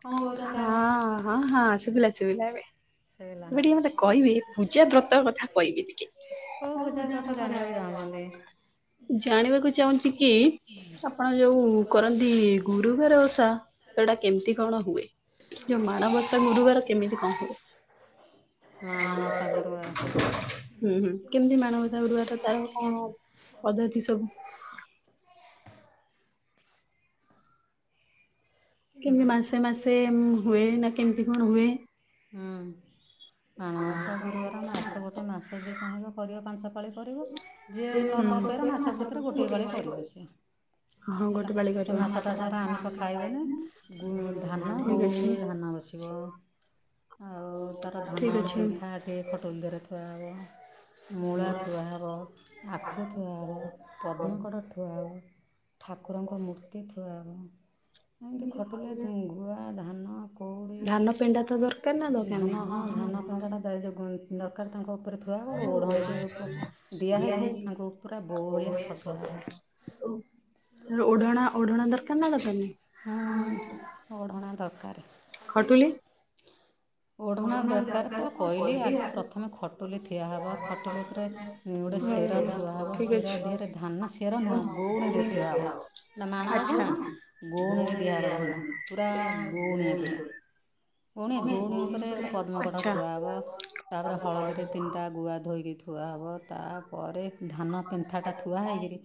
କଣ ହଁ କହୁଛନ୍ତି ଆପଣ? ହଁ ହଁ ଶୁଭିଲା ଶୁଭିଲା ଏବେ। ଶୋଇଲା। ଏବେ ଟିକେ ମତେ କଇବେ ପୂଜା ବ୍ରତ କଥା କଇବେ ଟିକେ କୋଉ ପୂଜା ବ୍ରତ ଜାଣିବାକୁ ଚାହୁଁଛନ୍ତି? ଜାଣିବାକୁ ଚାହୁଁଚି କି ଆପଣ ଯୋଉ କରନ୍ତି ଗୁରୁବାର ଓଷା ସେଟା କେମିତି କଣ? ହୁଏ ଯୋଉ ମାଣବସା ଗୁରୁବାର କେମିତି କଣ ହୁଏ? ମାଣବସା ଗୁରୁବାର। ହୁଁ ହୁଁ କେମିତି ମାଣବସା ଗରୁଟା ତାର କଣ ପଦ୍ଧତି ସବୁ? କେମିତି ମାସେ ମାସେ ହୁଏ ନା କେମିତି କଣ ହୁଏ? ମାଣବସ ଗୁରୁବାର ମାସ ଗୋଟେ ମାସ ଯେ। କରିବା ପାଞ୍ଚ ପାଳୀ। କରିବ ଯିଏ ନ କରିପାରିବ ମାସ ଭିତରେ ଗୋଟିଏ ପାଳି କରିବ ସିଏ ହଁ ହେଲା ଗୋଟେ ପାଳି ସେ କରିବ। ମାଛଟା ସାର ଆମିଷ ଖାଇବେନି। ଧାନ ଠିକ ଗଉଣୀରେ ଅଛି। ଧାନ ବସିବ ଆଉ ତାର ଠିକ ଧାନ ଗୋଟେ ଅଛି। ପେନ୍ଥା ଅସି ଖଟୋଲ ଦେରେ [unintelligible] ମୂଳା ଥୁଆ ହବ ଆଖୁ ଥୁଆ ହେବ ପଦ୍ମକଡ଼ ଥୁଆ ହବ ଠାକୁରଙ୍କ ମୂର୍ତ୍ତି ଥୁଆ ହେବ। ଏମିତି ଖଟୁଲେ ଗୁଆ ଧାନ କଉଡ଼ି ଧାନ ପେଣ୍ଡା ତ ଦରକାର ନା ଦରକାର ନାହିଁ? ଧାନ ହଁ ଧାନ ପିଣ୍ଡାଟା ଦ ଦରକାର ତାଙ୍କ ଉପରେ ଥୁଆ ହେବ ଗୋଟେ ଓଢ଼ଣୀଟେ ଓଢଣା ଦିଆ ହେଇକି ଓଢଣା ତାଙ୍କୁ ପୁରା ବୋଉ ଭଳିଆ ଦରକାର ସଜା ହେବ ନା ଦରକାର ନାହିଁ। ହୁଁ ଓ଼ଢଣା ଦରକାର। ହଟୁଲି। ଓଢ଼ଣା ଦରକାର ତ କହିଲି ଆଗେ ପ୍ରଥମେ ଖଟୁଲି ଥିିଆହବ, ଖଟୁଲି ଉପରେ ଗୋଟେ ହଉ ଶେର ଥୁଆ ହେବ, ଠିକ ଶେର ଅଛି। ଦେହରେ ଧାନ ଶର ନୁହେଁ ଗଉଣୀରେ ଥୁଆହବ, ହେ ମାଣବସ ଆଚ୍ଛା। ନା ଗଉଣୀରେ ଦିଆହେବ ଧାନ ପୁରା ଗଉଣିଆ ପୁରା। ଗୁଣି ଗୁଣି ଉପରେ ଗୋଟେ [inaudible] ପଦ୍ମକଟ ଆଚ୍ଛା। ଥୁଆ ହେବ ତାପରେ ହଳଦୀରେ ତିନିଟା ଗୁଆ ଧୋଇକି ଥୁଆ ହେବ ତା। ପରେ। ଧାନ ପେନ୍ଥାଟା ଥୁଆ ହୋଇଇକରି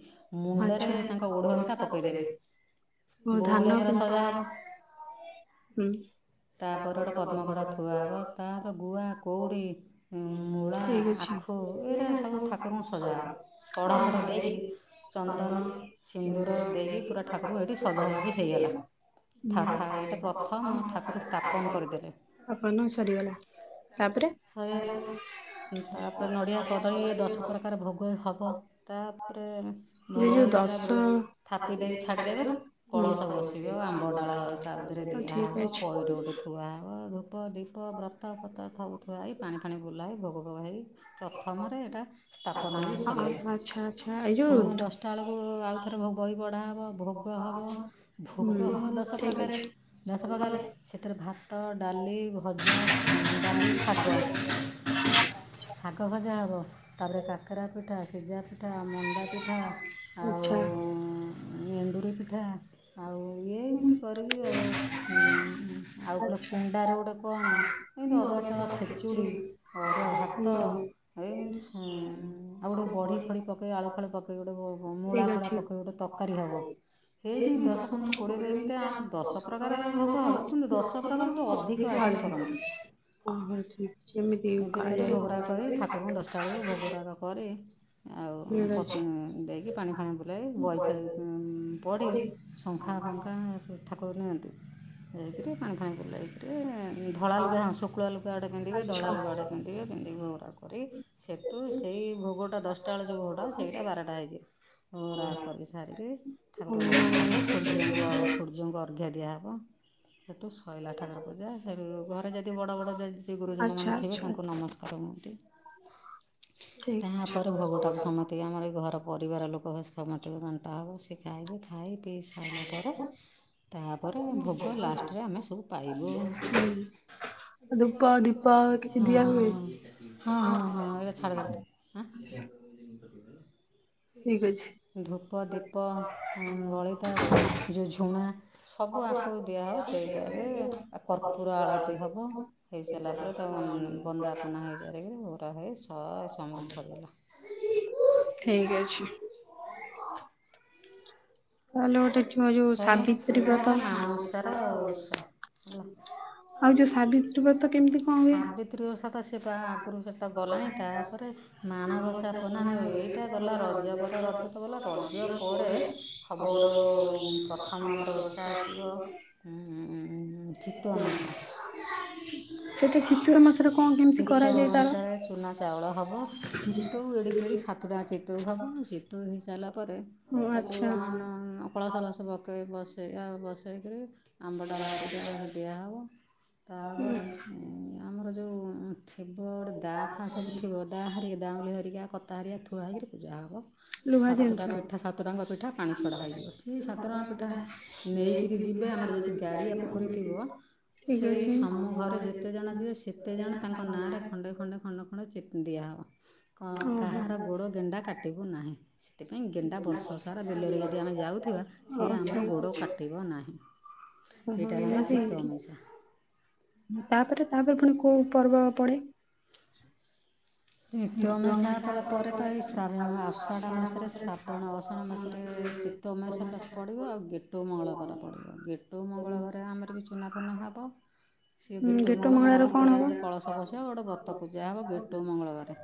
ମୁଣ୍ଡରେ ଆଚ୍ଛା। ତାଙ୍କ ଓ ଓଢ଼ଣଟା ପକାଇଦେବେ ବୋଉ ଧାନ ଭଳିଆ ପୁରରା ପେ- ହୁଁ ସଜା ହେବ ତାପରେ ଗୋଟେ ପଦ୍ମକଡ଼। ତାପ ତାପରେ ଗୁଆ, କଉଡ଼ି, ମୂଳା, ଠିକ ଆଖୁ ଏଇରା ସବୁ ଠାକୁରଙ୍କୁ ସଜା। ଅଛି। କଢ଼ା ଫଢ଼ା ଦେଇକରି ଚନ୍ଦନ, ସିନ୍ଦୁର ଦେଇକି ପୁରା ଠାକୁର ଏଇଠି ସଜାସଜି ହେଇଗଲା, ଥା ଥା ଏଇଟା ପ୍ରଥମ ଠାକୁର ସ୍ଥାପନ କରିଦେଲେ। ଆପ ସରିଗଲା ତାପରେ। ସରିଗଲା ତା'ପରେ ନଡ଼ିଆ କଦଳୀ ଦଶ ପ୍ରକାର ଭୋଗ ତାପରେ ଭୋଗ ହେଇସାରିଲା ପରେ ଥାପି ଦେଇକି ଛାଡ଼ିଦେବେ କଳସ ବସିବ, ଆମ୍ବ ଡାଳ ତାହରେ ଦିଆହେବ, ପଇଟ ଗୋଟେ ଥୁଆ ହେବ ଧୂପ୍। ଦୀପ, ବ୍ରତ କଥା। ତା ଥାଉ ଥିବା ହୋଇଇ ପାଣି ଫାଣି ବୁଲା ହୋଇ ଭୋଗ ଭୋଗ ହେଇ। ପ୍ରଥମରେ ଏଇଟା ସ୍ଥାପନା ହେ ବି ସରିଗଲା ପୁଣି ଦଶଟା ବେଳକୁ ଆଉଥରେ ଭୋଗ। ବହିପଢ଼ା ହେବ। ଭୋଗ ହେବ ଭୋଗ ହେବ ଦଶ ପ୍ରକାରେ ଦଶ ପ୍ରକାର ସେଥିରେ ଭାତ ଡାଲ୍। [unintelligible] ପଠାଜ [unintelligible] ପଠ ମନ୍ଦା ପିଠା ଆଉ। ଦଏ ପିଠା ଆଉ ଇଏ ଏମିତି କରିକି। ଆଉ। କୁଣ୍ଡା ରୋଡ଼ କଣ? ଏମିତି ଅରୁଆ ଚାଉଳ ଖେଚୁଡ଼ି ଅରୁଆ ଭାତ ଏଇମିତି ଆଉ ଗୋଟେ ବଢ଼ି ଫଡ଼ି ପକେଇ ଆଳୁ ଫଳି ପକେଇ ଗୋଟେ ମୂଳା ଫଳାଆ ପକେଇ ଗୋଟେ ତରକାରୀ ହେବ, ଏଇମିତି ଯୋଉ ଦଶ ପନ୍ଦର କୋଡ଼ିଏ, ଏମିତି ଆମେ ଦଶ ପ୍ର୍ରକାର ଭୋଗ ହେବ କିନ୍ତୁ ଦଶ ପ୍ରକାରରୁ। ୁ ଅଧିକ ଆଇଟମ୍ କରନ୍ତି। ଓହୋ ଠିକ ସେମିତି ଏମିତି କରି କରାଯାଏ। ଭୋଗରାଗ କରି ଠାକୁରଙ୍କୁ ଦଶଟା ବେଳକୁ ଭୋଗରାଗ, ଠିକ୍ କରି ଆଉ ଅଛି ଦେଇକି ପାଣି ଫାଣି ବୁଲାଇ ୱାଇଫାଇ ପଢ଼ି ଶଙ୍ଖା ଫଙ୍ଖା। [unintelligible] [unintelligible] ଧଳା ଲୁଗା ହଁ ଶୁକ୍ଳା ଲୁଗା ଆଡ଼େ ପିନ୍ଧିବେ। ଧଳା ଆଚ୍ଛା ଲୁଗା ଆଡ଼େ ପିନ୍ଧିବେ। ପିନ୍ଧିକି ଭୋଗରା କରି ସେଇଠୁ ସେଇ ଭୋଗଟା ଦଶଟା ବେଳେ ଯେଉଁ ଭୋଗଟା ସେଇଟା ବାରଟା ହେଇଯିବ। ଭୋଗା କରି ସାରିକି ଠାକୁର ନମସ୍କାର ସୂର୍ଯ୍ୟଙ୍କୁ ହଉ। ସୂର୍ଯ୍ୟଙ୍କୁ ଅର୍ଘ ଦିଆହେବ। [inaudible] ସେଠୁ ଶହିଲାଠାର। ଘରେ ଯଦି ବଡ଼ ବଡ଼ ଗୁରୁଜନ ଆଚ୍ଛା ମାନ ଥିବେ ଆଚ୍ଛା ତାଙ୍କୁ ନମସ୍କାର- [unintelligible] ଠିକ୍ ତାପରେ ଭୋଗଟାକୁ ସମିତିକି ଆମରି ଏଇ ଘର ପରିବାରଲୋକ ସମତିକି ବଣ୍ଟା ହେବ ସେ ଖାଇବେ। ଖାଇ ପିଇ ସାଇଲା ପରେ ତାପରେ ଭୋଗ ଲାଷ୍ଟରେ ଆମେ ସବୁ ପାଇବୁ। ହୁଁ ବ ଧୂପ ଦୀପ କିଛି ହଁ ଦିଆ ହଁ ହୁଏ ହଁ ହଁ ହଁ ଏଟା ଛଡ଼ି ଦେଲେ ଆଁ? ଠିକ୍ ଅଛି। ଧୂପ ଦୀପ ଉଁ ବଳିତା ସ ଯେଉଁ ଝୁଣା ସବୁ ଆକୁ ଦିଆହବ ଦେଇଦୁଆକି କର୍ପୁର ଆଳତି ହବ ହେଇସାରିଲା ପରେ ତା ବ ବନ୍ଦାପନା ହେଇସାରିକିରି ଭୋ [unintelligible] ଠିକ ଅଛି। ତାହେଲେ ଗୋଟେ ଯୋ ଯୋଉ ସରିଲା ସାବିତ୍ରୀ ଏଇଟା ବ୍ରତ ହେଲା ମାଣଓସାର ଓଷା ହେଲା ଆଉ ଯୋଉ ସାବିତ୍ରୀ ବ୍ରତ କେମିତି କଣ ହୁଏ? ସାବିତ୍ରୀ ଓଷା ତ ସେ ବା ଆଗରୁ ସେଟା ଗଲାଣି ତା'ପରେ ମାଣବସା ପୂର୍ଣ୍ଣ ଏଇଟା ଗଲା ରଜ ପରେ ସବୁଠୁ ପ୍ରଥମେ ଆମର ଓଷା ଆସିବ ଉଁ [inaudible] ସେଠି ଚିତଉ ଅମାସିଆ ଚିତୋଉ ଅମାସାରେ ଚୂନା ଚାଉଳ ହବ ଚିତୋଉ ଏଡ଼ିକି ଏଡିକି ସାତୁଟା ଚିତୋଉ ହବ ଚିତୋଉ ହେଇସାରିଲା ପରେ ଓ ତାକୁ ଆଚ୍ଛା ଅକଳସଳସ ପକେଇ ବସ ସେଇଆ ବାସେଦେଇ ଆମ୍ବ ଡାଳ ହାରିକା ଦିଆହେବ ତାପରେ ଉଁ ଆମର ଯୋଉ [unintelligible] ଥିବ ଗୋଟେ ଦାଆ ଫାଁ ସବୁ ଥିବ ଦାଆ ହରିକି ଦାଉଲି ହରିକା କତା ହରିକା ଥୁଆ ହୋଇଇକରି ପୂଜା ହେବ ଲୁହା ସାତଟା ଜିନିଷ। ପିଠା ସାତଟାଙ୍କ ପିଠା ପାଣି ଛଡ଼ା ହୋଇଯିବ ସେଇ ସାତ ଟଙ୍କା ପିଠା ନେଇକରି ଯିବେ ଆମର ଯଦି ଗାଡ଼ିଆ ପୋଖରୀ ଥିବ ଠିକ ସେଇ ଅଛି। ସମୁ ଘରେ ଯେତେଜଣ ଥିବେ ସେତେ ଜଣ ତାଙ୍କ ନାଁରେ ଖଣ୍ଡେ ଖଣ୍ଡେ ଖଣ୍ଡେ ଖଣ୍ଡେ ଖଣ୍ଡେ ଚି ଦିଆ ହେବ। ହଁ ଓହୋ। କାହାର ଗୋଡ ଗେଣ୍ଡା କାଟିବୁ ନାହିଁ। ସେଥିପାଇଁ ଗେଣ୍ଡା ବର୍ଷସାରା ବିଲରେ ଯଦି ଆମେ ଯାଉଥିବା ସିଏ ଓ ଆମର ଠିକ ଗୋଡ଼ ଅଛି। କାଟିବ ନାହିଁ। ଓହୋ ଏଇଟା ହେଲା ଏନ୍ତି। ଶୀତ ଅମାଇସା ତାପରେ ତାପରେ ପୁଣି କୋଉ ପର୍ବ ପଡେ? ଚିତଉଅମାସା ପରେ ତ ଏଇ ଶାବ ଅଷାଢ଼ ମାସରେ ଶ୍ରାବଣ ଅଷାଢ଼ ମାସରେ ଚିତଉଅମାସା ପଡ଼ିବ। ଆଉ ଗେଟୋଉ ମଙ୍ଗଳବାର ପଡ଼ିବ। ଗେଟଉ ମଙ୍ଗଳବାର ଆମର ବି ଚୁନାଫୁନା ହେବ। ସିଏ ଗେଟୁଉମଙ୍ଗଳ ମଙ୍ଗଳବାର ପୂଜା ଆଳ ଗୋଟେ କଳସ ବସିବ, ଗୋଟେ ବ୍ରତ ପୂଜା ହେବ। ଗେଟୁଉ ମଙ୍ଗଳବାର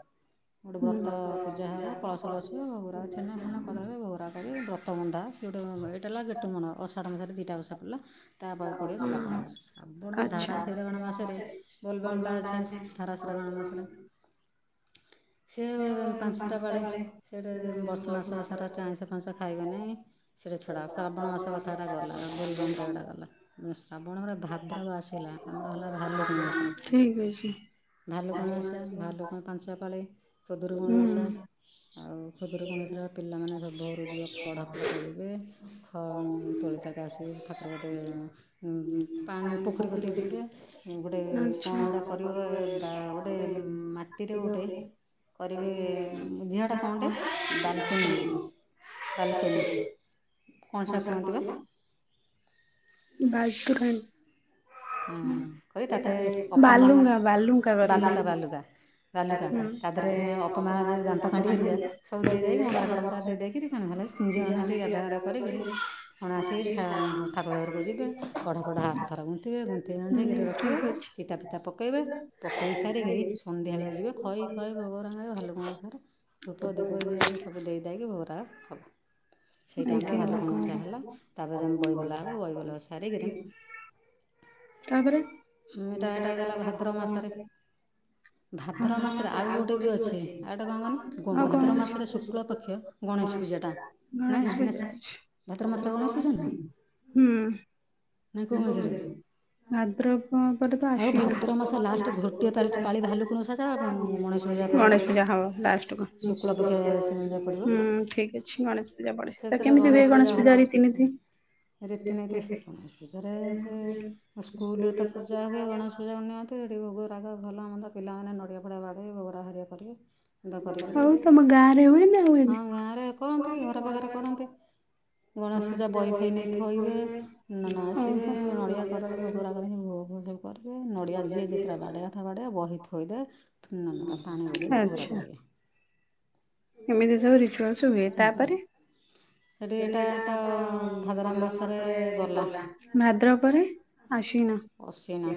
ଗୋଟେ ବ୍ରତ ପୂଜା ହେବ। କଳସ ବସିବ, ଭଗ, ରାଗ, ଛେନା, ଫେନା, କଦଳିବ ଭଗରା କରି ବ୍ରତ ବନ୍ଧା, ସେ ଗୋଟେ ଏଇଟା ହେଲା ଗେଟୁ ମଣ ଅଷାଢ଼ ମାସାରେ ଟା ସପଡ଼ିଲା ତାପରେ ପଡ଼ିବ, ଶ୍ରାବଣ ମାସ ଶ୍ରାବଣ ଧାରା ଶିରାବଣ ମାସରେ ବୋଲବାମଟା ଅଛି। ଧାରା ଶିରାବଣ ମାସରେ ସେଏ ପାଞ୍ଚଟା ପାଳି। ସେଟେ ବର୍ଷ ମାସ ସାରା ଚା ଆଇଁଶ ଫାଇଁସ ଖାଇବେ ନାହିଁ। ସେଟେ ଛଡ଼ା ହବ। ଶ୍ରାବଣ ମାସ କଥା ଏଟା ଗଲା ବୋଲବମରେ ଏଟା ଗଲା। ଶ୍ରାବଣ ପରେ ଭାଦ୍ରବ ଆସିଲା ଆମର ହେଲା ଭାଲୁକୁଣି ଓସା। ଭାଲୁକୁଣି ଓସା ଭାଲୁ ମାନସପଲେ ଖୁଦୁରୁକୁଣୀ ଓସା। ଆଉ ଖୁଦୁୁରୁକୁଣୀ ଓସା ରେ ପିଲାମାନେ ସବୁ ଭୋର୍ ରୁ ଯିବେ କଢ଼ାପଢ଼ ତୋଳିବେ। ଖ ତୋଳି ତାକୁ ଆସିକି ଠାକୁର କତିକି ପାଣି ପୋଖରୀ କତି ଯିବେ ଗୋଟେ କଣ ହେଡ଼ା କରିବ ଗୋଟେ ମା କିିଲୋଳେ କରିବେ। ଝିଅଟା କଣଟେ? ବାଲକନି କିଲ୍ ବାଲକନି ବାଇ ତୋରାଣି। ହଁ କରି ତାତ ଅପାମା ବାଲୁଙ୍ଗା ବାଲୁକା ବାଲୁକା ବାଲୁକା ତା ଦେହରେ ଅପାମାଦାନ୍ତ କାଣ୍ଠି ହରିକା ସବୁ ଦେଇକି ମନ୍ଦାର କଡ଼ଭରା ଦେଇକରି କଣ ହେଲା। ଝିଅମାନେ ସେ ଗାଧା ଗାଧି କରି କିରି କଣ ଆସିକି ଠାକୁର ଘରକୁ ଯିବେ। [unintelligible] ଗୁନ୍ଥେଇ ଗାନ୍ଥେଇ କରି ରଖିବେ। ଚିତା ଫିତା ପକେଇବେ, ପକେଇ ସାରିକିରି ସନ୍ଧ୍ୟାବେଳକୁ ଯିବେ। ଖଇ ଖଇ ଭୋଗରା ଭାଲୁକୁଣି ଓଷାରେ ଧୂପ ଦିପ ଇଏ ସିଏ ସବୁ ଦେଇଦାଇକି ଭୋଗରା ହେବ। ସେଇଟା ଆମର ଭାଲୁକୁଣି ଓଷା ହେଲା, ତାପରେଆମେ ବହିବୋଲା ହେବ। ବଇବୋଲା ସାରିକିରି ତାପରେ ଏଇଟା ଏଇଟା ଭାଦ୍ର ମାସରେ ଆଉ ଗୋଟେ ବି ଅଛି। ଆଉ ଗୋଟେ କଣ କନି, ଭାଦ୍ର ମାସରେ ଶୁକ୍ଳପକ୍ଷ ଗଣେଶ ପୂଜାଟା। ନା, ନା ଅଛି ଭାଦ୍ର ମାସରେ ଗଣେଶ ପୂଜା ନୁହଁ। ହୁଁ ନା କଉ ମାସରେ? ଭାଦ୍ରବ ପରେ ତ ଆଉ ଆଶିଣ। ଭାଦ୍ରବ ମାସ ଲାଷ୍ଟ ଘୋଟିଏ ପାଳି ଭାଲୁକୁଣୀ ଓଷା ଯା ଗଣେଶ ପୂଜା ପଡ଼ିବ ଗଣେଶ ପୂଜା ହଁ ଲାଷ୍ଟ କୁ। ଶୁକ୍ଳପକ୍ଷ ପଡ଼ିବ ହୁଁ ଠିକ୍ ଅଛି ଗଣେଶ ପୂଜା ପଡେ। ତ କେମିତି ହୁଏ ଗଣେଶ ପୂଜା ରୀତି ନିତି? ସେଥେରେ ସେଁ। ଆଉ ସ୍କୁଲରେ ତ ପୂଜା ହୁଏ। ଗଣେଶ ପୂଜା [unintelligible] ଭୋଗ ପାଗ ଭଲ ହଁ ନ୍ତା ପିଲାମାନେ ନଡ଼ିଆ, ଫଡ଼ିଆ ବାଡେଇ ଭୋଅରାଅହେରିଆ କରେଇ ଆଉ ତମ ଗାଁରେ ହୁଏ ନା ହଁ ହୁଏନି? ଗାଁରେ କରନ୍ତି ଘର ପାଖରେ କରନ୍ତି ଗଣେଶ ପୂଜା ବହି ଫଇ ନେଇଥୋଇବେ ନନା ଆସିବେ। ନଡ଼ିଆ ଭୋଗ ରାଗରେ ହିଁ, ଭୋଗ ଫୋଗ ସବୁ କରେ। ନଡ଼ିଆ ଯିଏ ଯେତେଟା ବାଡ଼େଇ କଥା ବାଡ଼େଇବ ବହି ଥୋଇଦେ ତା ପାଣି ବୁଲେଇଦ ଘୋରା ଆଚ୍ଛା କରିବେ ଏମିତି ସବୁ ରିଚୁଆଲସ ହୁଏ ତାପରେ ସେଠି ଏଇଟା ଏଟା ତ ଭାଦ୍ବବ ମାସରେ ଗଲା ଭାଦ୍ରବ ପରେ ଆଶ୍ୱିନ ଅଶନା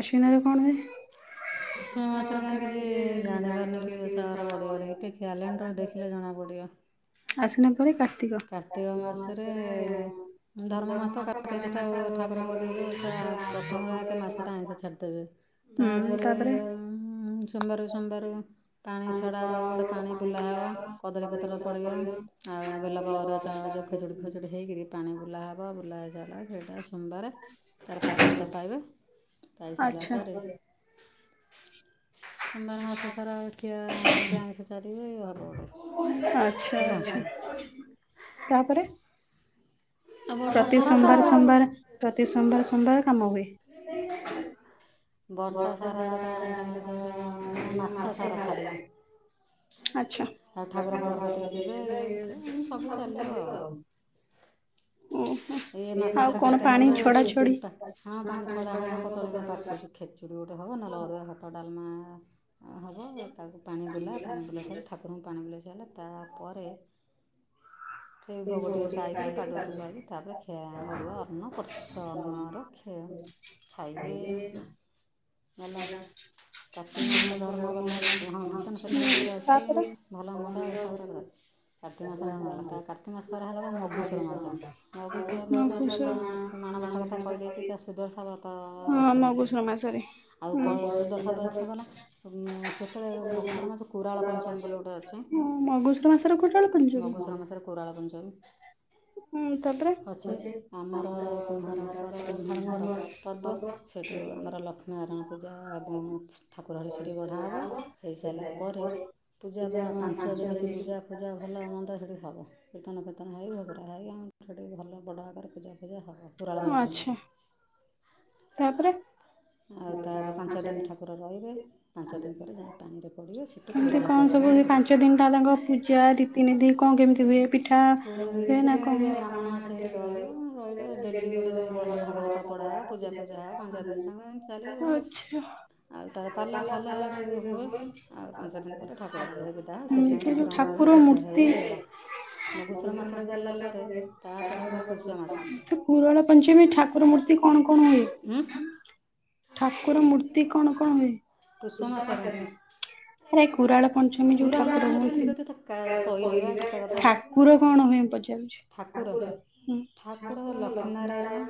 ଆଶ୍ୱିନରେ କଣ ହୁଏ ମାସରେ କାହିଁ କିଛି ଜାଣିପାରୁନ କି ଓଷାର ପଡିବ ବେ କ୍ୟାଲେଣ୍ଡ ଦେଖିଲେ ଜଣା ପଡିବ। ଆସିନ ପରେ କାର୍ତ୍ତିକ କାର୍ତ୍ତିକ ମାସରେ ଧର୍ମ ମାସ କାର୍ତ୍ତିକ ମାସ ଠାକୁର ମା। ଓଷା ପ୍ରଥମରେ ଆକେ ମାସଟା ଆଇଁଷ ଛାଡିଦେବେ ତାପରେ ସୋମବାରକୁ ସୋମବାର ପାଣି ଛଡ଼ା ଗୋଟେ ପାଣି ବୁଲାହବ କଦଳୀ ପତ୍ର ପଡିକି ଆଉ ବେଲା ବର ଚାଉଳ ଯଉ ଖେଚୁଡ଼ି ଖେଚୁଡ଼ି ହେଇକରି ପାଣି ବୁଲା ହବବା ବୁଲା ହେଇ ଜଲା। [inaudible] ଏଇଟା ସୋମବାର। ତରକାରା ଦେବତା ପାଇବେ। ପାଇ ସାରିଲା ଆଚ୍ଛା। ପରେ। ସୋମବାର ମାସସାରା କିଏ ଆଇସଁ ଛାଡିବେ ଗୋଟେ ଆଚ୍ଛା ହେଲା। ଆଚ୍ଛା ତାପରେ ଆଉ ବର୍ଷ ପ୍ରତି ସାରା ତ ସୋମବାର ଆଉ ସୋମବାର ପ୍ରତି ସୋମବାର ସୋମବାର କାମ ହୁଏ। [unintelligible] ଓ ବର୍ଷ ଆଉ ସାରା ଗୋଟେ ଆଇଁଷ ଫାଇଁଷ ନା ମାସ ସାରା ଛାଡ଼ିବେ ଆଉ ଠାକୁର ଫାକୁର କତିକି ଯିବେ ଇଏ ସିଏ ସବୁ ଚାଲିବ ଆଉ ଏ ମାସ ସାରା କଣ କାର୍ତ୍ତିକ ପାଣି ମାସରେ ଛଡା ଛଡି ହଁ ପାଣି ଛଡ଼ା ହବ କଦଳୀ ପାକୁଛୁ ଖେଚୁଡ଼ି ଗୋଟେ ହେବ ନା ଅରୁଆ ଭାତ ଡାଲମା। ହେବ ତାକୁ ପାଣି ବୁଲା ପାଣି ବୁଲାଇ ସାରିଲେ ଠାକୁରଙ୍କୁ ପାଣି ବୁଲ ସାରିଲା ତାପରେ ସେ ଭୋଗ ଟିକଏ ପାଇକିରି ପାଦୂକଟିଏ ପାଇକି ତାପରେ ଅରୁଆ ଅନ୍ନ ପଷ ଅନ୍ନଆର କ୍ଷୟ ଖାଇବେ। ଗଲା କାର୍ତ୍ତି ମାସର ଧର୍ମ ଗଲା ହଁ କୀର୍ତ୍ତନ ଫେର୍ତ୍ତନ ଏଥିରେ ଅଛି ତାପରେ ଭଲ ମନ୍ଦସାବରେ ଅଛି କାର୍ତ୍ତିକ ମାସର ଧର୍ମ ହେଲା ତା କାର୍ତ୍ତିକ ମାସ ପରେ ହେଲା ମଗୁଶୁର ମାସ ମଗୁଶୁର ମାସରେ ତ ମା ମାଣବସା କଥା କହିଦେଇଛି ତ ସୁଦଶାବ୍ରତ ଅଛି ସେଥିରେ। ରମାସରେ। ସୁଦଶା ବ୍ରତ ଗଲା ସେଥିରେ ମଗୁଶୁର ମାସ କୁରାଳ ପଞ୍ଚମୀ ବୋଲି ଗୁଟେ ଅଛି ମଗୁଶୁର ମାସରେ କୋଟାଳ ମଗୁଶୁର ମାସରେ କୁରାଳ ପାଞ୍ଚମୀ ହଁ ତାପରେ ଅଛି ଆମର କୁମ୍ଭାରଙ୍କର ଆମରରନ୍ଧାଙ୍ଗ ହବ। ଲକ୍ଷ୍ମୀ ନାରାୟଣ ପୂଜା ଏବଂ ଠାକୁରହାର ସେଠି ଗଢ଼ା ହେବ ହେଇସାରିଲା ପରେ ପୂଜା ପାଞ୍ଚ ଦିନ ସେ ପୂଜା ଫୂଜା ଭଲ ମନ୍ଦ ସେଠି। ଏ। କୀର୍ତନ ହେଇ ଭୋଗ ରାଗ ହେଇ ପାରେ ଟିକେ ଭଲ ବଡ଼ ଆକାରେ ପୂଜା। ସୋ ହବ ପୁରଳ ଆଚ୍ଛା ମଣିସମରେ। ତାପରେ। ତା ପାଞ୍ଚ ଦିନ ଠାକୁର ରହିବେ ପାଞ୍ଚ ଦିନ ପରେ ଯାଇ ପାଣିରେ ପଡ଼ିବେ ସେଇଠୁ କେମିତି ପୁରାଣ କଣ ସବୁ ପର୍ବ ଶେଷ ପାଞ୍ଚ ଦିନ ଟା ତାଙ୍କ ପୂଜା ରୀତିନୀତି କଣ କେମିତି ହୁଏ ପିଠା ହୁଏ ନା ରୀତିନୀତିରେ କଣ ହ। ବ୍ରାହ୍ମଣ ଆସି ସେଠି ରହିବ ରହିଲେ ଡେଲି ଗୋଟେ ବହି ଭାଗବତ ପଢ଼ା ପୂଜା ଫୂଜା ହେବ, ପାଞ୍ଚ ଦିନ ତାଙ୍କ ଏମିତି ଚାଲିବ ସେ ଆଉ ତା'ପରେ ପାଲା ଫାଲା ସେଠି ହୁଏ ଆଉ ପାଞ୍ଚ ଦିନ ପରେ ଠାକୁର ଝିଅ ବିଦା ସେଠି ଆମର ଯୋଉ ପୁରାଣ ପୁରାଣ ଠାକୁର ଶେଷ ମୂର୍ତ୍ତି ହେଇଗଲା ମଗୁସୁର ମାସରେ ଗଲା ପରେ ତା'ପରେ ହବ ପୁଷ ମାସ ସେ ପୁରଳ ପଞ୍ଚମୀ ଠାକୁର ମୂର୍ତ୍ତି କଣ କଣ ହୁଏ‌? ଠାକୁର ମୂର୍ତ୍ତି କଣ କଣ ହୁଏ? ପୁଷ ମାସରେ ଆରେ କୁରଳ ପଞ୍ଚମୀ ଯୋଉ ପୁରାଣ ଠାକୁର ଶୁଣି ହୁଅନ୍ତି? ରୀତିଗତ ତ କହିଲି ବା କେତେ କଥା ଠାକୁର କଣ ହୁଏ ପଚାରୁଛି? ଠାକୁର ହୁଁ। ଠାକୁର ଲକ୍ଷ୍ମୀ ନାରାୟଣ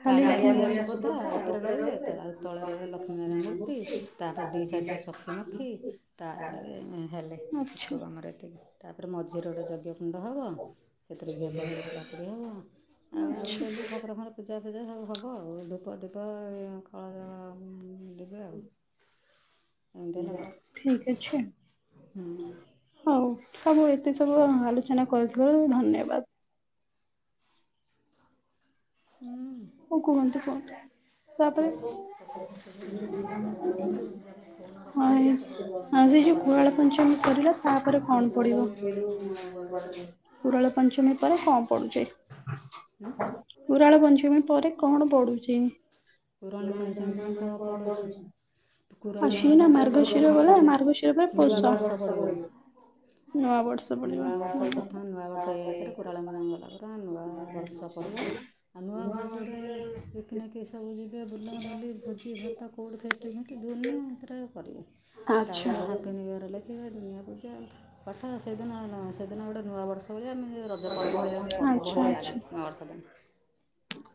ଖାଲି କାଳିଆ ବଳିଆ ସୁଭଦ୍ରା ଲକ୍ଷ୍ମୀ ଉପରେ ରହିବେ। ଆଉ ତଳେ ରହିବେ ଲକ୍ଷ୍ମୀନାରାୟଣ ମୂର୍ତ୍ତି, ତାପରେ ଦୁଇ ସାଇଡ଼ରେ ସଖିମଖି ତା ହେଲେ ଆଚ୍ଛା ଠାକୁର ଆମର ଏତିକି। ତାପରେ ମଝିର ଗୋଟେ ଯଜ୍ଞକୁଣ୍ଡ ହେବ। ସେଥିରେ ଘିଅ ଫିଅ ପୋଡ଼ାପୁଡ଼ି ହେବ, ଆଉ ଆଚ୍ଛା ଡେଲି ଠାକୁରଙ୍କର ପୂଜା ସବୁ ହବ ଆଉ ଉପଦୀପ କଦ ଉଁ ଉଁ ହେଲା କଥା ଠିକ ଅଛି। ହଉ ସବୁ ଏତେ ସବୁ ଆଲୋଚନା କରିଥିବାରୁ ଧନ୍ୟବାଦ। ଫୋନ୍ ଓ କୁହନ୍ତୁ କୁହନ୍ତୁ ତାପରେ, ରଖିକି ଆସୁ ସେ ଆଜି କବାଟ ଯୋଉ କୁରାଳ ଦେଇଦେବେ ପଞ୍ଚମୀ ସରିଲା ତାପରେ ମୋ କଣ ଫୋନ୍ଟାକୁ ଥୋଇଦେବୁ ପଡିବ? ବର୍ଡ଼ର ଉପରେ କୁରାଳ ପଞ୍ଚମୀ। ପରେ କଣ ପଡୁଛି? ହୁଁ। କୁରାଳ ପଞ୍ଚମୀ। ପରେ କଣ ପଡୁ ପୁରଣ ପଞ୍ଚମୀ ବେଳେ କୁହ ପଡ଼ୁଛି। କୁରାଣ ଆଶ୍ୱିନ ନା ପଞ୍ଚମୀ ଫଳେ ଗଲା ହଁ ମାର୍ଗଶିର ସରିଲା ମ ମାର୍ଗଶିର ପରେ ନୂଆ ପୌଷ। ବର୍ଷ ପଡ଼ିବ ନୂଆ ବର୍ଷ ପଡିବ। ନୂଆବର୍ଷ ପ୍ରଥମ ନୂଆବର୍ଷ ହେଇଆକରେ କୁରାଣ ପଞ୍ଚମୀ ଗଲା ପରେ ନୂଆ ବର୍ଷ ପଡ଼ିଲା ଆଉ ନୂଆ ବର୍ଷ। [unintelligible] ନା କି ସବ ଏବେ ବୁଲାବୁଲି ଭୋଜି ଭାତ କୋଉଠି ଫିଷ୍ଟି ମିଷ୍ଟି ଦୁନିଆ ସେଥିରେ କରିବେ, ଆଚ୍ଛା ତାପରେ ହାପି ନିୱର ହେଲେ ଏତେ ଦୁନିଆ ପୂଜା ପାଠ, ସେଦିନ ସେଦିନ ଗୋଟେ ନୂଆବର୍ଷ। ସେତେବେଳେ ଆମେ ରଜ ପର୍ବ ଭଳିଆ ଗୋଟେ ପର୍ବ ଆଚ୍ଛା ଭଳିଆ ଲାଗେ ଆଚ୍ଛା। ନୂଆବର୍ଷ ଦିନ।